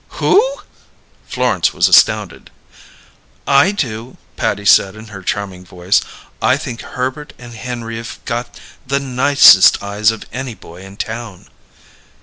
"Who?" Florence was astounded. "I do," Patty said in her charming voice. "I think Herbert and Henry've got the nicest eyes of any boy in town."